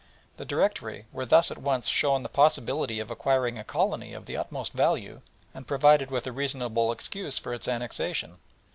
The Directory were thus at once shown the possibility of acquiring a colony of the utmost value and provided with a reasonable excuse for its annexation.